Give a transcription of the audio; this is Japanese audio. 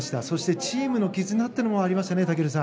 そしてチームの絆というのもありましたね。